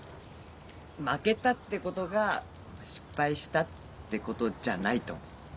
負けたってことが失敗したってことじゃないと思う。